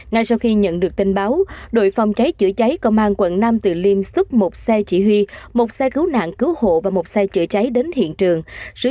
ngay sau khi nhận được tin báo đội phòng cháy chữa cháy công an quận nam từ liêm xuất một xe chỉ huy một xe cứu nạn cứu hộ và một xe chữa cháy đến hiện trường